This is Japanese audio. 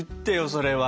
それは！